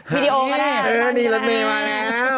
วิดีโอก็ได้เออนี่รถเมย์มาแล้ว